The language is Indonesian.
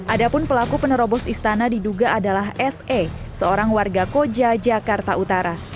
adapun pelaku penerobos istana diduga adalah se seorang warga koja jakarta utara